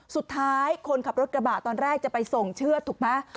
คนขับรถกระบะตอนแรกจะไปส่งเชือดถูกไหม